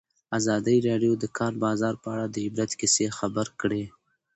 ازادي راډیو د د کار بازار په اړه د عبرت کیسې خبر کړي.